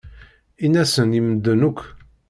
Ini-asen i medden akk.